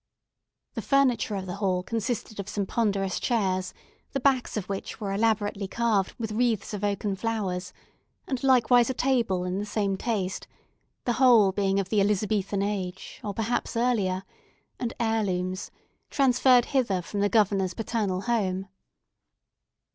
The furniture of the hall consisted of some ponderous chairs, the backs of which were elaborately carved with wreaths of oaken flowers; and likewise a table in the same taste, the whole being of the Elizabethan age, or perhaps earlier, and heirlooms, transferred hither from the Governor's paternal home.